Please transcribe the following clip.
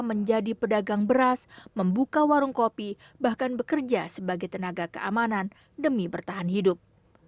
menjadi pedagang beras membuka warung kopi bahkan bekerja sebagai tenaga keamanan demi bertahan hidup